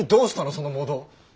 そのモード。